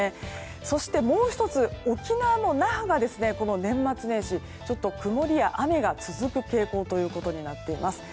そして、もう１つ沖縄の那覇が年末年始、曇りや雨が続く傾向となっています。